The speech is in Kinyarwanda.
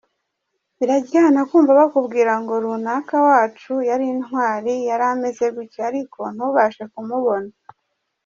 Biraryana kumva bakubwira ngo runaka wacu yari intwari, yari ameze gutya…ariko ntubashe kumubona”.